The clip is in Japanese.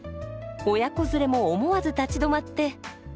親子連れも思わず立ち止まって。